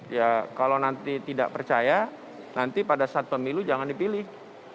ya kalau nanti tidak percaya nanti pada saat pemilu jangan dipilih